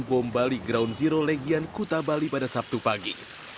bom bali ground zero legian kuta bali pada sabtu pagi